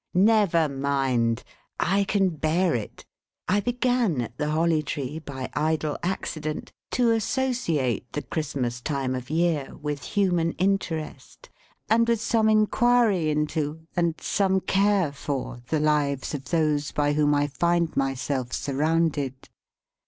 Never mind! I can bear it. I began at the Holly Tree, by idle accident, to associate the Christmas time of year with human interest, and with some inquiry into, and some care for, the lives of those by whom I find myself surrounded.